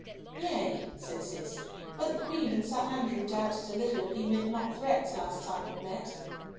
"Yea," said Cis, "but the Queen and Sir Andrew doubted a little if he meant not threats last time we met."